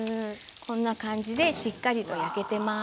こんな感じでしっかりと焼けてます。